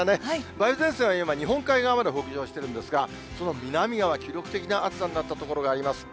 梅雨前線は今、日本海側まで北上してるんですが、その南側、記録的な暑さになった所があります。